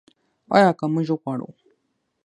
آیا که موږ وغواړو؟